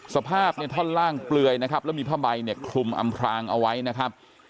สภาพเนี่ยท่อนล่างเปลือยนะครับแล้วมีผ้าใบเนี่ยคลุมอำพรางเอาไว้นะครับ